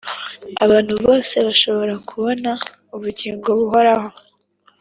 abantu bose bashobora kubona ubugingo buhoraho